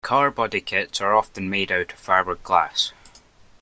Car body kits are often made out of fiberglass.